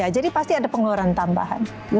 jadi pasti ada pengeluaran tambahan